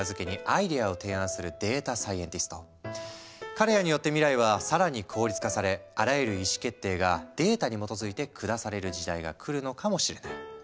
彼らによって未来は更に効率化されあらゆる意思決定がデータに基づいて下される時代がくるのかもしれない。